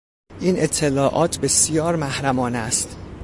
این اطلاعات بسیار محرمانه است.